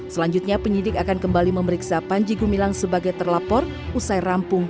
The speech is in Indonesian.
selanjutnya penyidik akan kembali memeriksa panji gumilang sebagai terlapor usai rampung